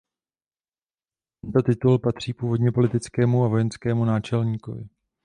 Tento titul patřil původně politickému a vojenskému náčelníkovi.